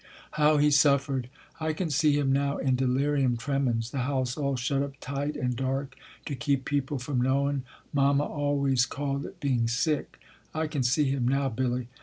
How he suffered! I can see him now, in delirium tremens, the house all shut up tight and dark to keep people from knowing Mamma always called it being * sick I can see him now, Billy.